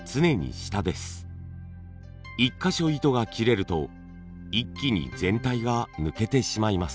１か所糸が切れると一気に全体が抜けてしまいます。